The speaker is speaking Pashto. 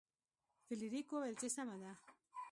فلیریک وویل چې سمه ده.